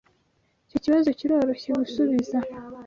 Icyo kibazo kiroroshye gusubiza.